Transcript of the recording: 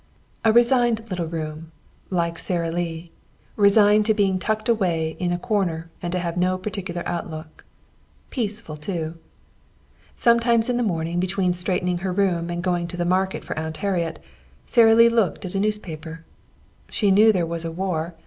A resigned little room, like Sara Lee, resigned to being tucked away in a corner and to having no particular outlook. Peaceful, too. Sometimes in the morning between straightening her room and going to the market for Aunt Harriet, Sara Lee looked at a newspaper. So she knew there was a war.